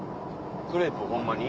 クレープホンマに？